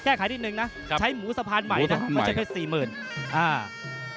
แก้ไขนิดนึงนะใช้หมูสะพานใหม่ก็จะเป็น๔๐๐๐๐ครับ